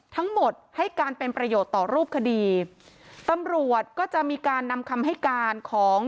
ทั้งหมดให้การเป็นประโยชน์ต่อรูปคดีตำรวจก็จะมีการนำคำให้การของ